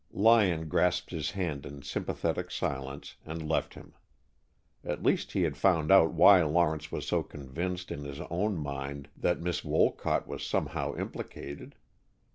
Lyon grasped his hand in sympathetic silence, and left him. At least he had found out why Lawrence was so convinced in his own mind that Miss Wolcott was somehow implicated.